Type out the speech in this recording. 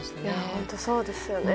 本当にそうですよね。